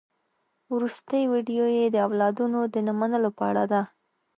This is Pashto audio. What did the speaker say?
وروستۍ ويډيو يې د اولادونو د نه منلو په اړه ده.